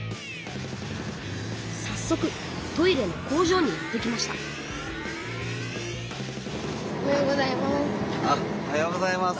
さっそくトイレの工場にやって来ましたおはようございます。